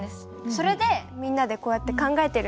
それでみんなでこうやって考えてるんです。